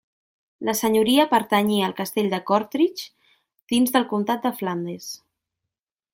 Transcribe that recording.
La senyoria pertanyia al castell de Kortrijk dins del comtat de Flandes.